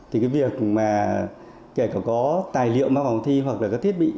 thì cái việc mà kể cả có tài liệu mỗi phòng thi hoặc là các thiết bị